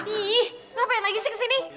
ih ngapain lagi sih kesini